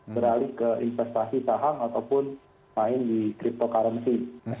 beralih ke investasi saham ataupun main di cryptocurrency